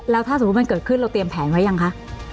แล้วถ้าสมมุติมันเกิดขึ้นเราเตรียมแผนไว้ยังคะ